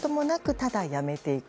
ただ辞めていく。